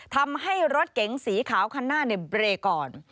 ทำให้รถเก๋งสีขาวคันหน้าเบรกก่อน